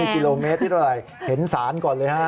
นี่เกลาิตเท่าไหร่เห็นศาลก่อนเลยฮะ